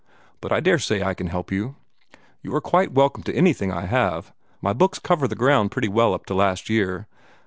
But I daresay I can help you. You are quite welcome to anything I have: my books cover the ground pretty well up to last year.